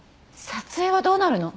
撮影はどうなるの？